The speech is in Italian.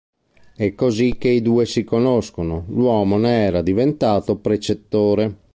È così che i due si conoscono: l'uomo ne era diventato precettore.